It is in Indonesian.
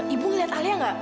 ibu lihat alia